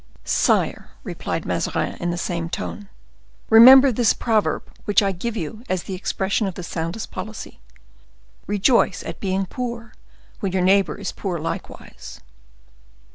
"Sire," replied Mazarin, in the same tone, "remember this proverb, which I give you as the expression of the soundest policy: 'Rejoice at being poor when your neighbor is poor likewise.